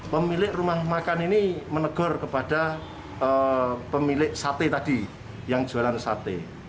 pemilik rumah makan ini menegur kepada pemilik sate tadi yang jualan sate